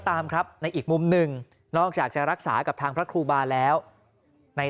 ตามครับในอีกมุมหนึ่งนอกจากจะรักษากับทางพระครูบาแล้วใน